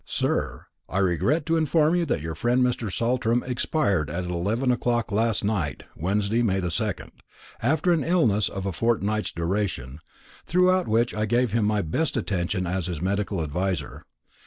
"Sir, I regret to inform you that your friend Mr. Saltram expired at eleven o'clock last night (Wednesday, May 2nd), after an illness of a fortnight's duration, throughout which I gave him my best attention as his medical adviser.